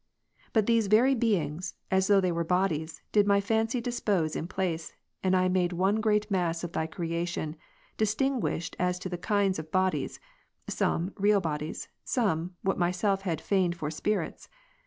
But these very beings, as though they were bodies, did my fancy dispose in place, and I made one great mass of Thy creation, distinguished as to the kinds of bodies ; some, real bodies, some, what myself had feigned for spirits.